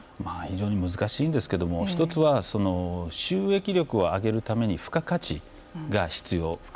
非常に難しいんですけども一つは収益力を上げるために付加価値が必要。